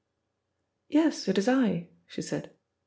"Yes, it is I," she said.